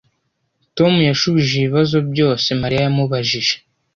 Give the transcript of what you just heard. Tom yashubije ibibazo byose Mariya yamubajije